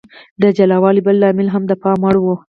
د جلا والي بل لامل هم د پام وړ و.